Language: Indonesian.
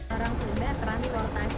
orang sudah transportasi